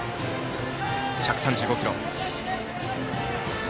１３５キロ。